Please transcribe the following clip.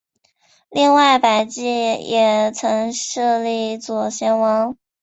另外百济也曾设立左贤王。